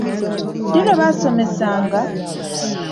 Ddi lwe baasomesanga?